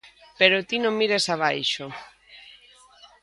Pero ti non mires abaixo.